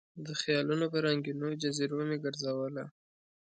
د خیالونو په رنګینو جزیرو مې ګرزوله